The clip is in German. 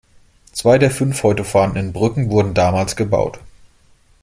Zwei der fünf heute vorhandenen Brücken wurden damals gebaut.